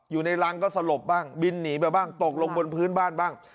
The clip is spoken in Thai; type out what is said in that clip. อยู่ในรังก็สลบบ้างบินหนีไปบ้างตกลงบนพื้นบ้านบ้าง